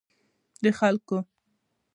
د خلګو